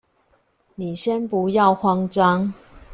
你先不要慌張